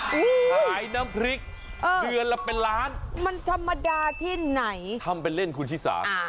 ขายน้ำพริกเดือนละเป็นล้านมันธรรมดาที่ไหนทำเป็นเล่นคุณชิสา